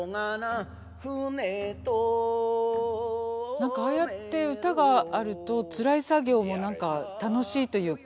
何かああやって唄があるとつらい作業も何か楽しいというか。